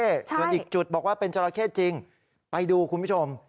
ส่วนอีกจุดบอกว่าเป็นจราเข้จริงไปดูคุณผู้ชม